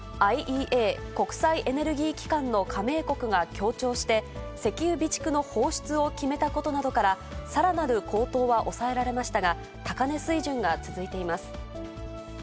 ＩＥＡ・国際エネルギー機関の加盟国が協調して、石油備蓄の放出を決めたことなどから、さらなる高騰は抑えられましたが、高値水準が続いています。